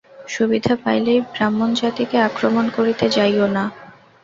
সুবিধা পাইলেই ব্রাহ্মণজাতিকে আক্রমণ করিতে যাইও না।